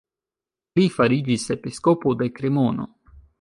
Li fariĝis episkopo de Kremono.